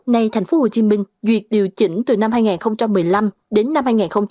nay thành phố hồ chí minh duyệt điều chỉnh từ năm hai nghìn một mươi năm đến năm hai nghìn hai mươi sáu